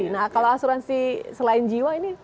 nah kalau asuransi selain jiwa ini